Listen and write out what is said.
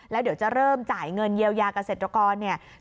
แล้วเดี๋ยวจะเริ่มจ่ายเงินเยียวยาเกษตรกรเนี่ย